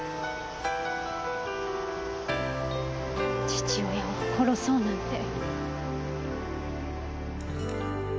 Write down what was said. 父親を殺そうなんて。